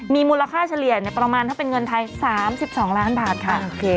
มีมูลค่าเฉลี่ยประมาณถ้าเป็นเงินไทย๓๒ล้านบาทค่ะ